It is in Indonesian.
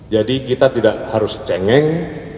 jadi kita tidak harus cengeng